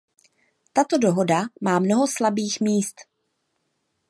Tato dohoda má mnoho slabých míst.